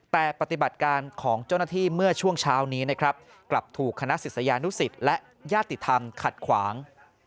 แต่ปฏิบัติการของเจ้าหน้าที่เมื่อช่วงเช้านี้นะครับกลับถูกคณะศิษยานุสิตและญาติธรรมขัดขวาง